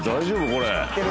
これ。